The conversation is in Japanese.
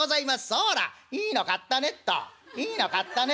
「そらいいの買ったねっといいの買ったねっと」。